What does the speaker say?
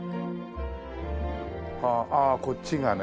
ああこっちがね。